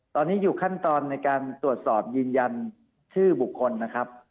ตอนนี้อยู่ขั้นตอนในการตรวจสอบยืนยันชื่อบุคคลนะครับ